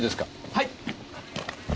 はい。